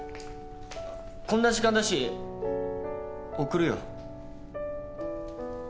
こんな時間だし送るよ